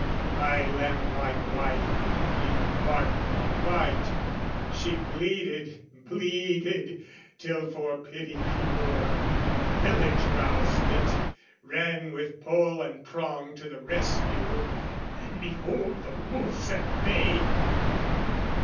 My lamblike wife could neither bark nor bite, She bleated, bleated, till for pity pure, The village roused it, ran with pole and prong To the rescue, and behold the wolf's at bay!